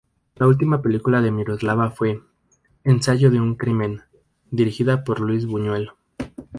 La última película de Miroslava fue "Ensayo de un crimen", dirigida por Luis Buñuel.